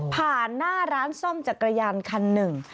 หน้าร้านซ่อมจักรยานคันหนึ่ง